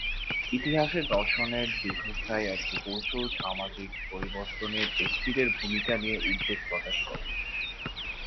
ইতিহাসের দর্শনের দীর্ঘস্থায়ী একটি কৌশল সামাজিক পরিবর্তনে ব্যক্তিদের ভূমিকা নিয়ে উদ্বেগ প্রকাশ করে।